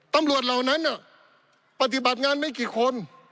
ตำรวจเหล่านั้นเนี่ยปฏิบัติงานไม่กี่คน